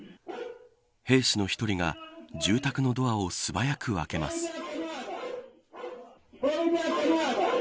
兵士の１人が住宅のドアを素早く開けます。